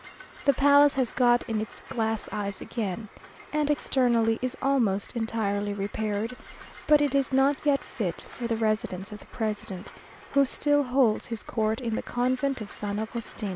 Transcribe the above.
The palace has got in its glass eyes again, and externally is almost entirely repaired; but it is not yet fit for the residence of the president, who still holds his court in the convent of San Agustin.